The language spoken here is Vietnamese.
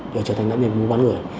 để trở thành nạn nhân mua bán người